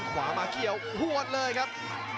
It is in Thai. ขวามาเกี่ยวหวดเลยครับ